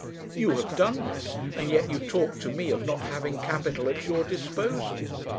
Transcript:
You have done this, and yet you talk to me of not having capital at your disposal!